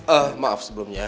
eh maaf sebelumnya